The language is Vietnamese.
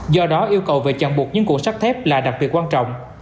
do đó yêu cầu về chặn bụt những cuộn sắt thép là đặc biệt quan trọng